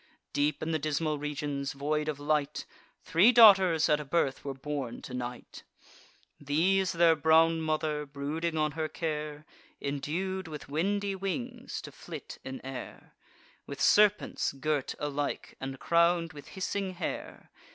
Deep in the dismal regions void of light, Three daughters at a birth were born to Night: These their brown mother, brooding on her care, Indued with windy wings to flit in air, With serpents girt alike, and crown'd with hissing hair.